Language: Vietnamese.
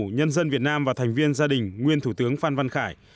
nhân dân việt nam và thành viên gia đình nguyên thủ tướng phan văn khải